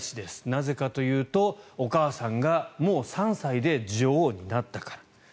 なぜかというと、お母さんがもう３歳で女王になったから。